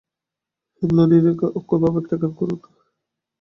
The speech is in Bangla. হেমনলিনী কহিল, অক্ষয়বাবু, একটা গান করুন।